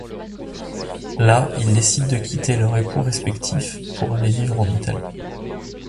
Là, ils décident de quitter leurs époux respectifs pour aller vivre en Italie.